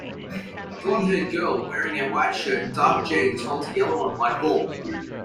A blondhaired girl wearing a white shirt and dark jeans holds a yellow and white ball.